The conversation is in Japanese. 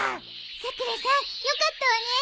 さくらさんよかったわね。